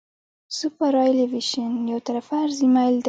سوپرایلیویشن یو طرفه عرضي میل دی